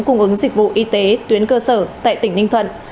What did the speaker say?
cung ứng dịch vụ y tế tuyến cơ sở tại tỉnh ninh thuận